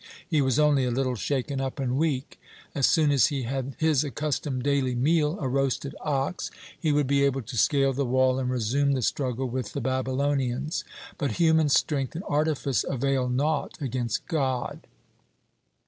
He was only a little shaken up and weak; as soon as he had his accustomed daily meal, a roasted ox, he would be able to scale the wall and resume the struggle with the Babylonians. But human strength and artifice avail naught against God.